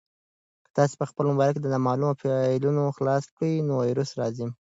که تاسي په خپل موبایل کې نامعلومه فایلونه خلاص کړئ نو ویروس راځي.